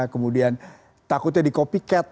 kemudian takutnya di copycat